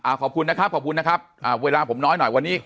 ขอบคุณนะครับขอบคุณนะครับอ่าเวลาผมน้อยหน่อยวันนี้